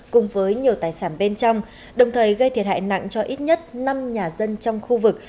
cùng với nhiều tài sản bên trong đồng thời gây thiệt hại nặng cho ít nhất năm nhà dân trong khu vực